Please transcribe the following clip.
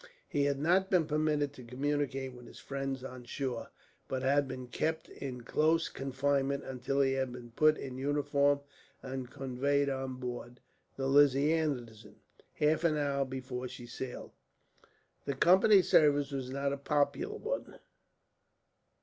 He had not been permitted to communicate with his friends on shore, but had been kept in close confinement, until he had been put in uniform and conveyed on board the Lizzie Anderson, half an hour before she sailed. The Company's service was not a popular one.